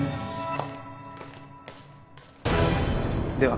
では。